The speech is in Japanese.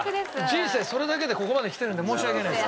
人生それだけでここまできてるんで申し訳ないです。